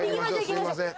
すいません。